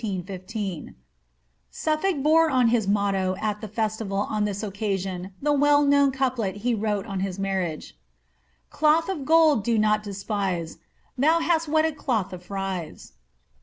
Snfiblk bore as his motto at the festival on thip occasion the well known couplet he wrote on his marriage :—■ Cloth of gold do not despite, Though thou hast wedded cloth of frise."